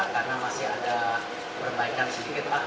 karena masih ada perbaikan sedikit lah